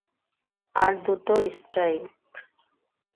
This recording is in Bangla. আর দুটো স্ট্রাইক।